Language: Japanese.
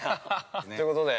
◆ということで。